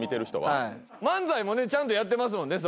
漫才もちゃんとやってますもんね